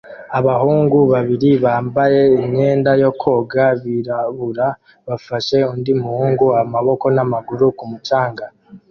Abahungu babiri bambaye imyenda yo koga birabura bafashe undi muhungu amaboko n'amaguru ku mucanga